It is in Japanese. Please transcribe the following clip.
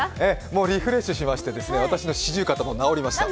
もうリフレッシュしまして、私の四十肩も治りました。